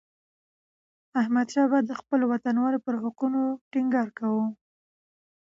احمدشاه بابا د خپلو وطنوالو پر حقونو ټينګار کاوه.